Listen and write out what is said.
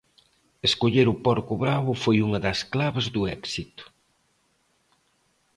Escoller o porco bravo foi unha das claves do éxito.